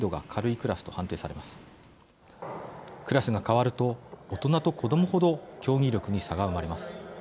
クラスが変わると大人と子どもほど競技力に差が生まれます。